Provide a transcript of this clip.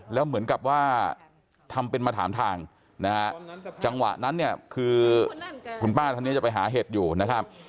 แล้วเหมือนกับว่าทำเป็นมาถามทางนะฮะจังหวะนั้นเนี่ยคือคุณป้าท่านนี้จะไปหาเห็ดอยู่นะครับ